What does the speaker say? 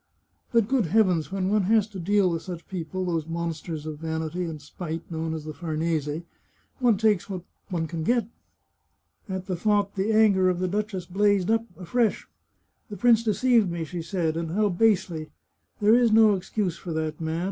But, good heavens, when one has to deal with such people — ^those monsters of vanity and spite known as the Farnese — one takes what one can get." At the thought, the anger of the duchess blazed up afresh. " The prince deceived me," she said, " and how basely! ... There is no excuse for that man.